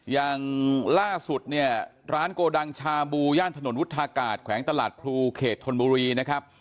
อย่างล่าสุดเนี่ยร้านโกดังชาบูย่านถนนวุฒากาศแขวงตลาดพลูเขตธนบุรีนะครับ